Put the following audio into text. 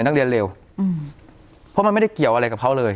นักเรียนเร็วอืมเพราะมันไม่ได้เกี่ยวอะไรกับเขาเลย